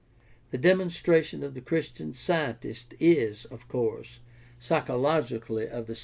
The "demonstration" of the Christian Scientist is, of course, psychologically of the same nature.